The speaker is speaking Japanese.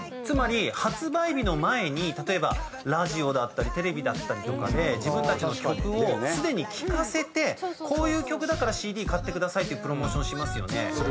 つまり発売日の前に例えばラジオだったりテレビだったりとかで自分たちの曲をすでに聞かせてこういう曲だから買ってくださいっていうプロモーションしますよね。